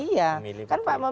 yang sekarang di dpr